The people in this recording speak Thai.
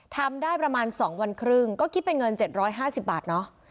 ทำได้ประมาณ๒วันครึ่งก็คิดเป็นเงิน๗๕๐บาทเนาะ